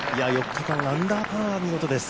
４日間、アンダーパーは見事です。